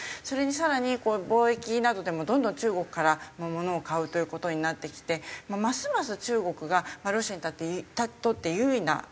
それに更に貿易などでもどんどん中国からのものを買うという事になってきてますます中国がロシアにとって優位な。